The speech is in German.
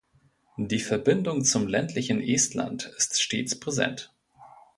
Die Verbindung zum ländlichen Estland ist stets präsent.